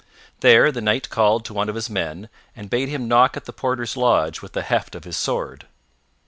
There the Knight called to one of his men and bade him knock at the porter's lodge with the heft of his sword.